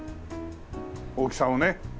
大きさをね。